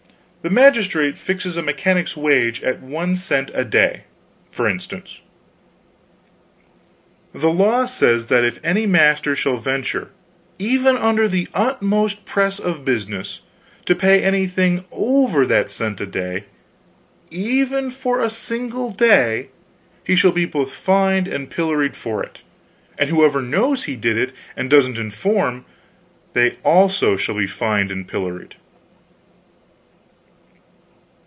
The magistrate fixes a mechanic's wage at one cent a day, for instance. The law says that if any master shall venture, even under utmost press of business, to pay anything over that cent a day, even for a single day, he shall be both fined and pilloried for it; and whoever knows he did it and doesn't inform, they also shall be fined and pilloried.